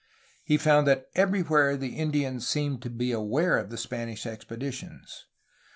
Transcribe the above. He found that everywhere the Indians seemed to be aware of the Spanish expeditions.